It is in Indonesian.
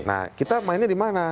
nah kita mainnya di mana